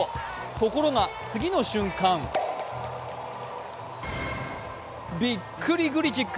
ところが次の瞬間びっくりグリチック。